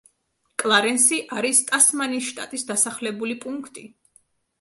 კლარენსი არის ტასმანიის შტატის დასახლებული პუნქტი.